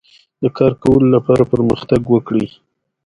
دښتې د افغانستان په هره برخه کې موندل کېږي.